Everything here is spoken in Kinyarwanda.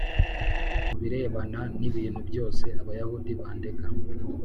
Ku birebana n ibintu byose Abayahudi bandega